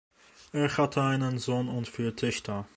Er hatte einen Sohn und vier Töchter.